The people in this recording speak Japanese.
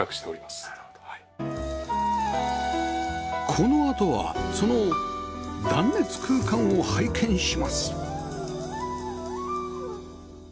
このあとはその断熱空間を拝見します